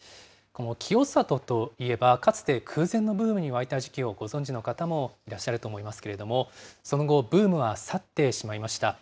清里といえば、かつて空前のブームに沸いた時期をご存じの方もいらっしゃると思いますけれども、その後、ブームは去ってしまいました。